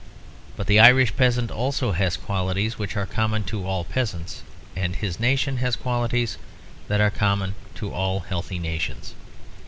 But the Irish peasant also has qualities which are common to all peasants, and his nation has qualities that are common to all healthy nations.